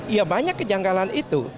ya banyak kejanggalan itu